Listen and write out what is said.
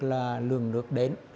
là lường nước đến